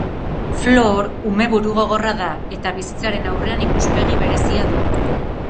Floor ume burugogorra da eta bizitzaren aurrean ikuspegi berezia du.